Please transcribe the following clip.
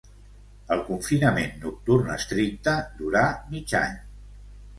El confinament nocturn estricte durà mig any.